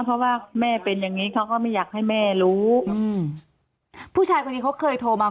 เพราะว่าแม่เป็นอย่างงี้เขาก็ไม่อยากให้แม่รู้อืมผู้ชายคนนี้เขาเคยโทรมา